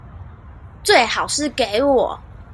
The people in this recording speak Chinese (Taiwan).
最好是給我